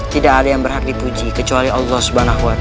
tidak ada yang berhak dipuji kecuali allah swt